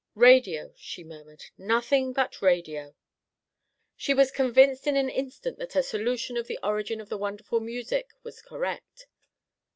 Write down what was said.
"Radio," she murmured, "nothing but radio." She was convinced in an instant that her solution of the origin of the wonderful music was correct.